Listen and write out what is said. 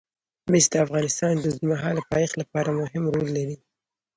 مس د افغانستان د اوږدمهاله پایښت لپاره مهم رول لري.